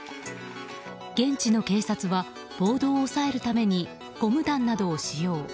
現地の警察は暴動を抑えるためにゴム弾などを使用。